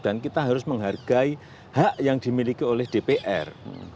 dan kita harus menghargai hak yang dimiliki oleh dpr